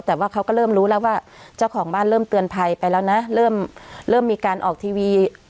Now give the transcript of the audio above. แต่ว่าเขาก็เริ่มรู้แล้วว่าเจ้าของบ้านเริ่มเตือนภัยไปแล้วนะเริ่มเริ่มมีการออกทีวี